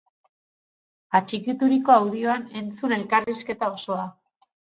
Atxikituriko audioan entzun elkarrizketa osoa!